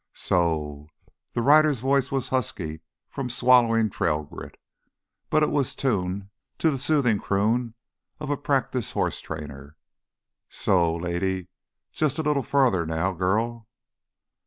"Soooo—" The rider's voice was husky from swallowing trail grit, but it was tuned to the soothing croon of a practiced horse trainer. "Sooo—lady, just a little farther now, girl...."